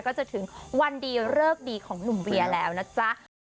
ก็จะถึงวันดีเลิกดีของหนุ่มเวียแล้วนะจ๊ะ